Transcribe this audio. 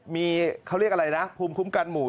มีเขาเรียกอะไรนะภูมิคุ้มกันหมู่